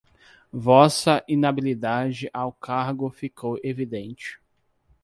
Vossa inabilidade ao cargo ficou evidente